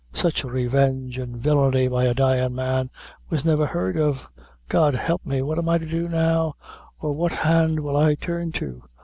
Sich revenge and villany, by a dyin' man, was never heard of. God help me, what am I to do now, or what hand will I turn to?